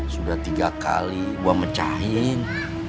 sudah tiga kali gue mecahin